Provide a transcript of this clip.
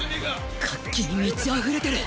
活気に満ち溢れてる！